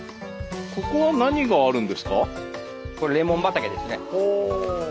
ここは何があるんですか？